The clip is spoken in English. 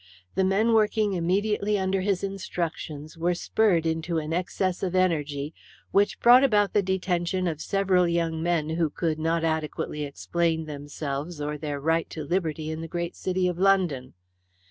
The men working immediately under his instructions were spurred into an excess of energy which brought about the detention of several young men who could not adequately explain themselves or their right to liberty in the great city of London.